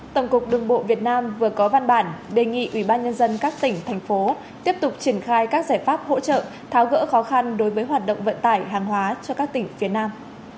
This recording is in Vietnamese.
tổng cục đường bộ việt nam vừa có văn bản đề nghị ubnd các tỉnh thành phố tiếp tục triển khai các giải pháp hỗ trợ tháo gỡ khó khăn đối với hoạt động vận tải hàng hóa cho các tỉnh phía nam